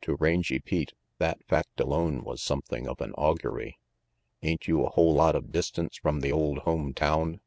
To Rangy Pete that fact alone was something of an augury. "Ain't you a whole lot of distance from the old home town?"